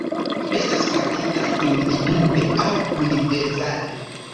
Estas faritaj individue aŭ univerzale.